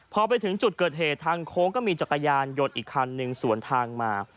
พอไปถึงจุดเกิดเหตุทางโค้งก็มีจักรยานยนต์อีกคันหนึ่งสวนทางมา